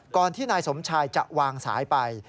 ที่นายสมชายจะวางสายไป